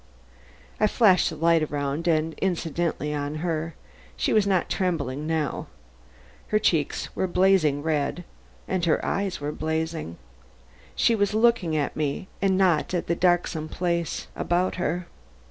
I flashed the light around and incidentally on her. She was not trembling now. Her cheeks were red, her eyes blazing. She was looking at me, and not at the darksome place about her.